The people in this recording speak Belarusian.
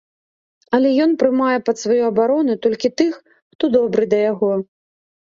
Але ён прымае пад сваю абарону толькі тых, хто добры да яго.